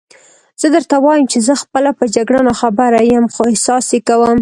زه درته وایم چې زه خپله په جګړه ناخبره یم، خو احساس یې کوم.